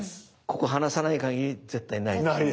ここ離さないかぎり絶対ないですね？